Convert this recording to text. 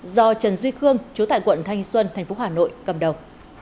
do trần duy khương chú tại quận thanh xuân tp hcm cầm đầu